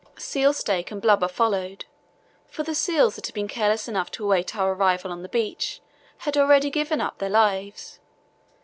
Seal steak and blubber followed, for the seals that had been careless enough to await our arrival on the beach had already given up their lives.